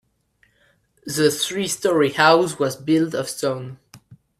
The three story house was built of stone.